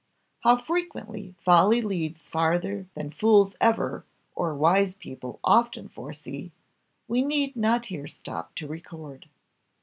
How frequently folly leads farther than fools ever, or wise people often foresee, we need not here stop to record.